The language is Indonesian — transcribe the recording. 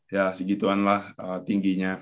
ya segituan lah tingginya